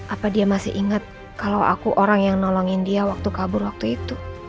apa dia masih ingat kalau aku orang yang nolongin dia waktu kabur waktu itu